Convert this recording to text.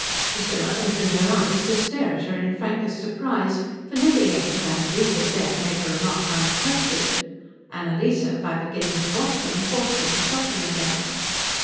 Priscilla opened her eyes to stare at her in frankest surprise, for never yet had Annalise dared make a remark unrequested. Annalise, by beginning to wash them, forced her to shut them again.